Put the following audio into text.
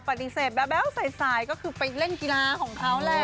ปฏิเสธแบ๊วสายก็คือไปเล่นกีฬาของเขาแหละ